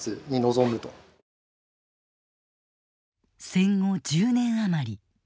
戦後１０年余り。